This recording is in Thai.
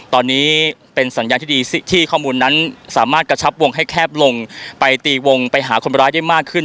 ตอนนี้เป็นสัญญาณที่ดีที่ข้อมูลนั้นสามารถกระชับวงให้แคบลงไปตีวงไปหาคนร้ายได้มากขึ้น